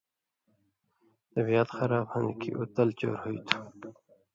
تِبیات خراب ہُون٘دیۡ کھیں اُو تل چور ہُوئ تُھو